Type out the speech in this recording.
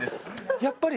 やっぱり！